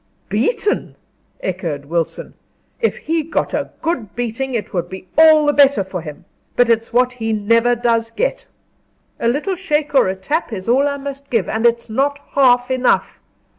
"Beaten!" echoed Wilson; "if he got a good beating it would be all the better for him; but it's what he never does get. A little shake, or a tap, is all I must give; and it's not half enough.